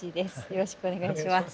よろしくお願いします。